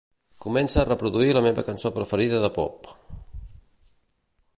Comença a reproduir la meva cançó preferida de pop.